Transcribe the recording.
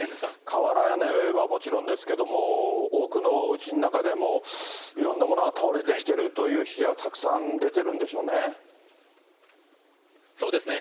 瓦屋根はもちろんですけれども、多くのうちの中でも、いろんなものが倒れてきてるという被害がたくさん出てるんでしょそうですね。